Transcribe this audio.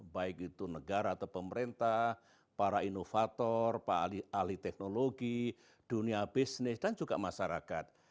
baik itu negara atau pemerintah para inovator para ahli ahli teknologi dunia bisnis dan juga masyarakat